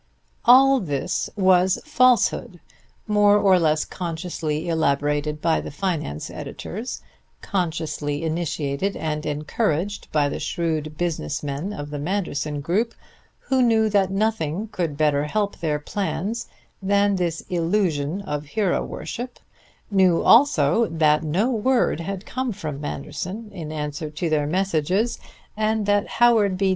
All this was falsehood, more or less consciously elaborated by the "finance editors," consciously initiated and encouraged by the shrewd business men of the Manderson group, who knew that nothing could better help their plans than this illusion of hero worship knew also that no word had come from Manderson in answer to their messages, and that Howard B.